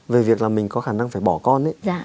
về việc là mình có khả năng phải bỏ con